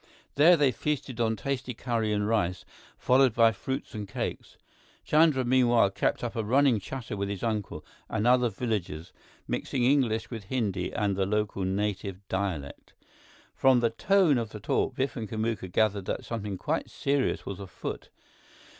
There, they feasted on tasty curry and rice, followed by fruits and cakes. Chandra, meanwhile, kept up a running chatter with his uncle and other villagers, mixing English with Hindi and the local native dialect. From the tone of the talk, Biff and Kamuka gathered that something quite serious was afoot.